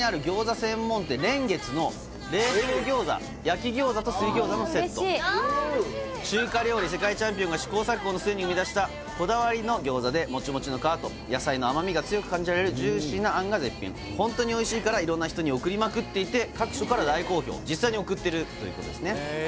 専門店蓮月の冷凍餃子焼き餃子と水餃子のセット中華料理世界チャンピオンが試行錯誤の末に生み出したこだわりの餃子でモチモチの皮と野菜の甘みが強く感じられるジューシーなあんが絶品ホントにおいしいから色んな人に贈りまくっていて各所から大好評実際に贈ってるということですね